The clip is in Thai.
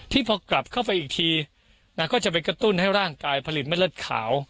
พอกลับเข้าไปอีกทีนะก็จะไปกระตุ้นให้ร่างกายผลิตไม่เลิศขาว